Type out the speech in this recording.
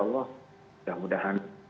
allah dan mudah mudahan